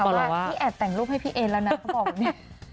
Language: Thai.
พี่แอดแต่งรูปให้พี่เอแล้วนะ